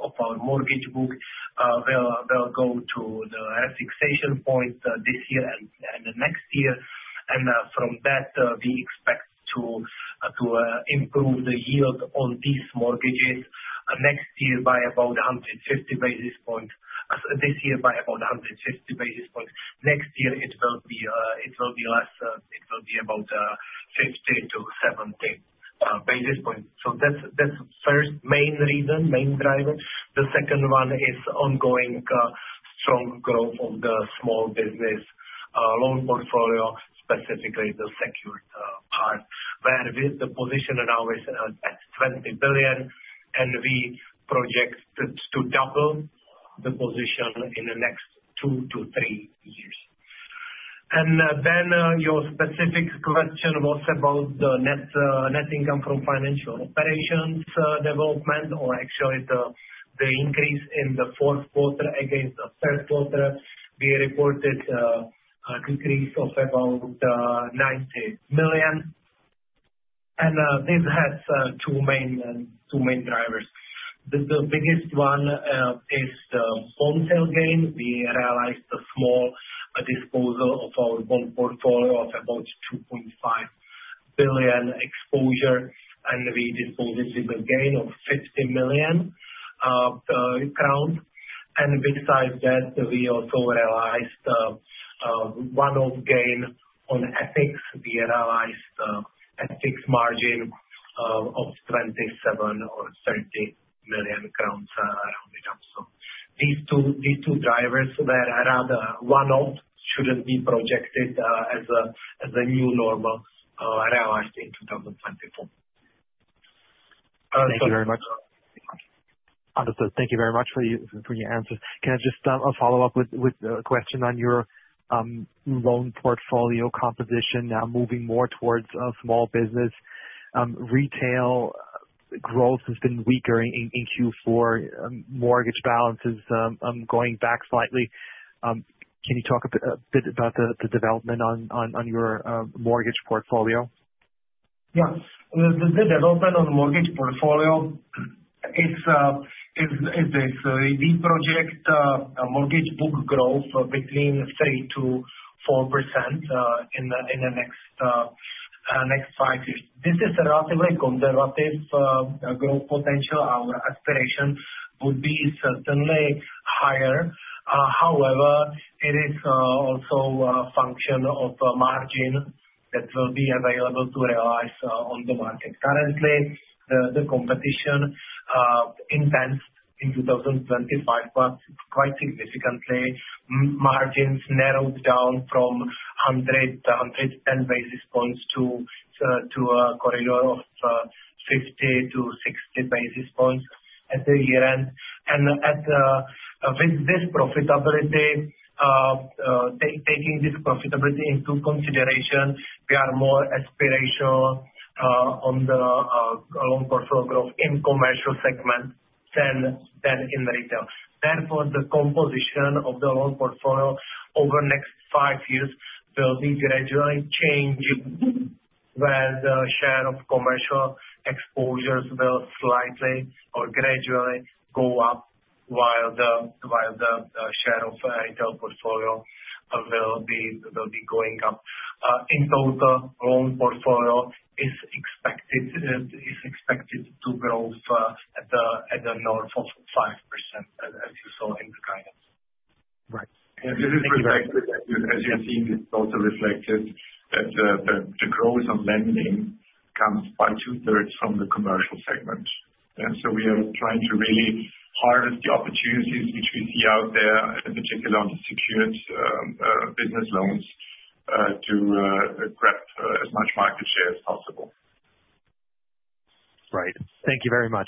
of our mortgage book will go to the fixation point this year and the next year. And from that we expect to improve the yield on these mortgages next year by about 150 basis points. This year by about 150 basis points. Next year it will be less; it will be about 50-70 basis points. So that's the first main reason, main driver. The second one is ongoing strong growth of the small business loan portfolio, specifically the secured part, where the position now is at 20 billion, and we project it to double the position in the next 2-3 years. Then, your specific question was about the net income from financial operations development, or actually the increase in the fourth quarter against the third quarter. We reported a decrease of about 90 million. This has two main drivers. The biggest one is the bond sale gain. We realized a small disposal of our bond portfolio of about 2.5 billion exposure, and we disposed this with a gain of 50 million crown. And besides that, we also realized one-off gain on FX. We realized FX margin of 27 or 30 million crowns, around it also. These two, these two drivers were rather one-off, shouldn't be projected as a, as a new normal realized in 2024. Thank you very much. Thank you very much for your answer. Can I just follow up with a question on your loan portfolio composition now moving more towards small business? Retail growth has been weaker in Q4. Mortgage balance is going back slightly. Can you talk a bit about the development on your mortgage portfolio? Yes. The development of the mortgage portfolio is. We project a mortgage book growth between 3%-4% in the next 5 years. This is a relatively conservative growth potential. Our aspiration would be certainly higher. However, it is also a function of the margin that will be available to realize on the market. Currently, the competition intense in 2025, but quite significantly, margins narrowed down from 100-110 basis points to a corridor of 50-60 basis points at the year end, and with this profitability, taking this profitability into consideration, we are more aspirational on the loan portfolio growth in commercial segment than in retail. Therefore, the composition of the loan portfolio over the next five years will be gradually changing, where the share of commercial exposures will slightly or gradually go up, while the share of retail portfolio will be going up. In total, loan portfolio is expected to grow at the north of 5%, as you saw in the guidance. Right. And this is reflected, as you've seen, it's also reflected that the growth on lending comes by two-thirds from the commercial segment. And so we are trying to really harness the opportunities which we see out there, in particular on the secured business loans, to grab as much market share as possible. Right. Thank you very much.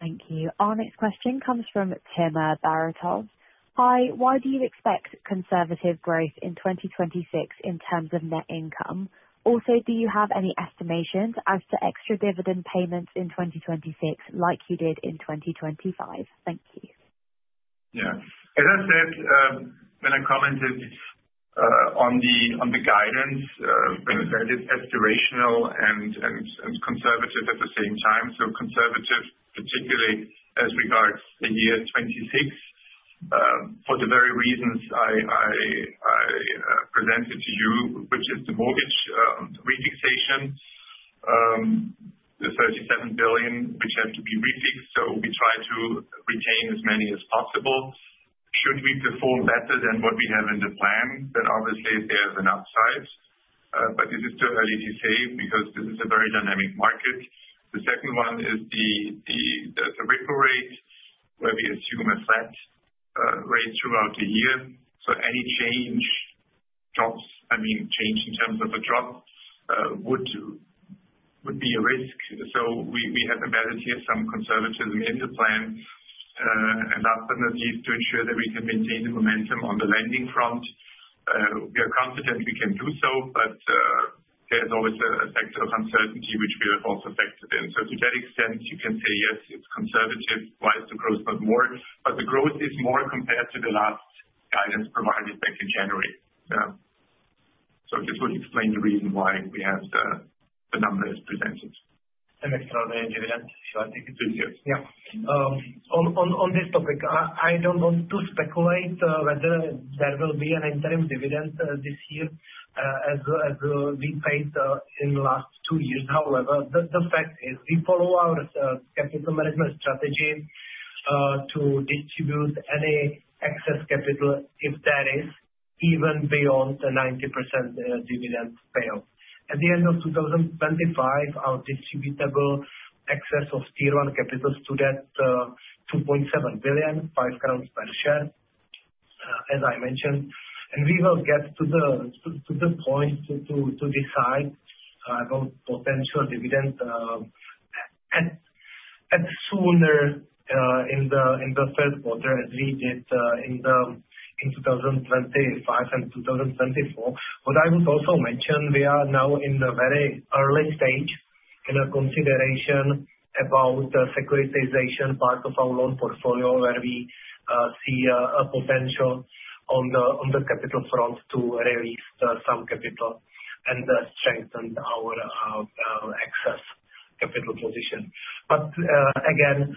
Thank you. Our next question comes from Tim Baritol. Hi, why do you expect conservative growth in 2026 in terms of net income? Also, do you have any estimations as to extra dividend payments in 2026, like you did in 2025? Thank you. Yeah. As I said, when I commented on the guidance that it's aspirational and conservative at the same time. So conservative, particularly as regards the year 2026, for the very reasons I presented to you, which is the mortgage fixation. The 37 billion, which had to be refixed, so we try to retain as many as possible. Should we perform better than what we have in the plan, then obviously there's an upside, but this is still early to say, because this is a very dynamic market. The second one is the repo rate, where we assume a flat rate throughout the year. So any change, drops, I mean, change in terms of a drop, would be a risk. So we, we have embedded here some conservatism in the plan, and that's the need to ensure that we can maintain the momentum on the lending front. We are confident we can do so, but, there's always a, a factor of uncertainty which we have also factored in. So to that extent, you can say, "Yes, it's conservative. Why is the growth not more?" But the growth is more compared to the last guidance provided back in January. Yeah. So this would explain the reason why we have the, the numbers presented. Extraordinary dividend, so I think it's good. Yeah. On this topic, I don't want to speculate whether there will be an interim dividend this year, as we paid in the last two years. However, the fact is, we follow our capital management strategy to distribute any excess capital, if there is, even beyond the 90% dividend payout. At the end of 2025, our distributable excess of Tier 1 capital stood at 2.7 billion, 0.05 crowns per share, as I mentioned, and we will get to the point to decide about potential dividend at sooner in the third quarter, as we did in 2025 and 2024. What I would also mention, we are now in the very early stage in a consideration about the securitization part of our loan portfolio, where we see a potential on the capital front to release some capital and strengthen our excess capital position. But again,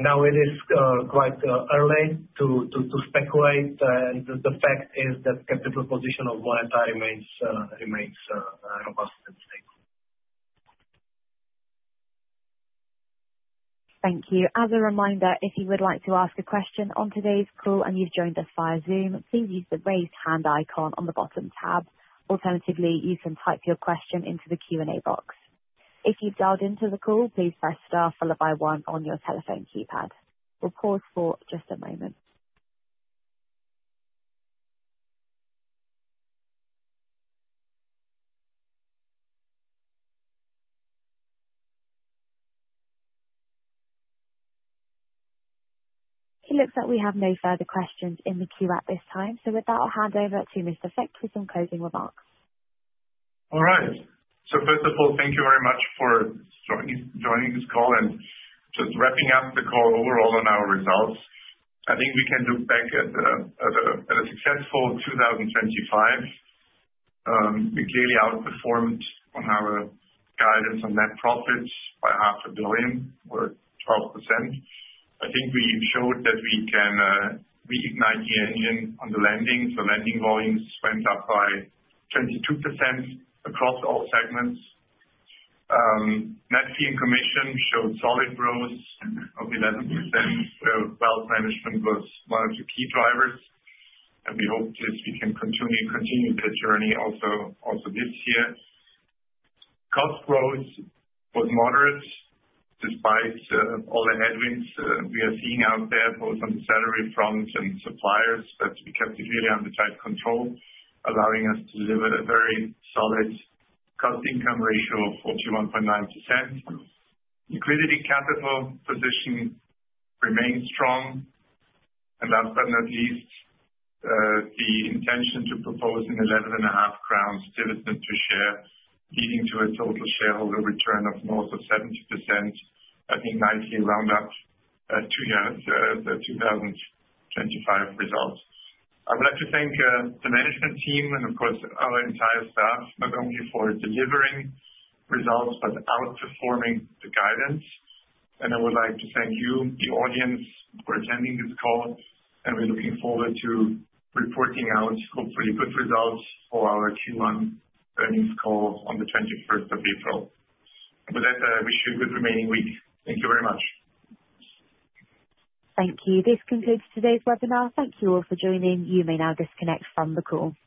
now it is quite early to speculate, and the fact is that capital position of Moneta remains robust and safe. Thank you. As a reminder, if you would like to ask a question on today's call and you've joined us via Zoom, please use the Raise Hand icon on the bottom tab. Alternatively, you can type your question into the Q&A box. If you've dialed into the call, please press star followed by one on your telephone keypad. We'll pause for just a moment. It looks like we have no further questions in the queue at this time. So with that, I'll hand over to Mr. Friček for some closing remarks. All right. So first of all, thank you very much for joining this call. Just wrapping up the call overall on our results, I think we can look back at a successful 2025. We clearly outperformed on our guidance on net profits by 500 million, or 12%. I think we showed that we can reignite the engine on the lending. So lending volumes went up by 22% across all segments. Net fee and commission showed solid growth of 11%, wealth management was one of the key drivers, and we hope that we can continue that journey also this year. Cost growth was moderate, despite all the headwinds we are seeing out there, both on the salary front and suppliers, but we kept it really under tight control, allowing us to deliver a very solid cost income ratio of 41.9%. Liquidity capital position remains strong. And last but not least, the intention to propose an 11.5 crowns dividend per share, leading to a total shareholder return of more than 70%, I think nicely round up two years, the 2025 results. I would like to thank the management team and, of course, our entire staff, not only for delivering results, but outperforming the guidance. I would like to thank you, the audience, for attending this call, and we're looking forward to reporting out hopefully good results for our Q1 earnings call on the twenty-first of April. With that, I wish you a good remaining week. Thank you very much. Thank you. This concludes today's webinar. Thank you all for joining. You may now disconnect from the call.